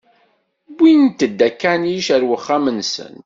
Wwint-d akanic ar wexxam-nsent.